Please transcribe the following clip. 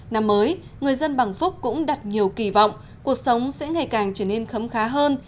năm mới người dân bằng phúc cũng đặt nhiều kỳ vọng cuộc sống sẽ ngày càng trở nên khấm khá hơn